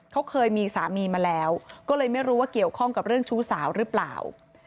เขาเคยมีสามีมาแล้วก็เลยไม่รู้ว่าเกี่ยวข้องกับเรื่องชู้สาวหรือเปล่า